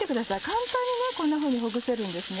簡単にこんなふうにほぐせるんです。